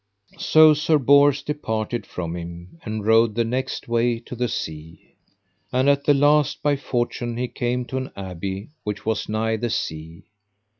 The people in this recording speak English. So Sir Bors departed from him and rode the next way to the sea. And at the last by fortune he came to an abbey which was nigh the sea.